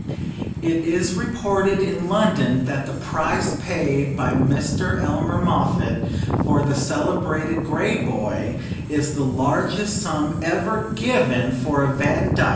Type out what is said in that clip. "'It is reported in London that the price paid by Mr. Elmer Moffatt for the celebrated Grey Boy is the largest sum ever given for a Vandyck.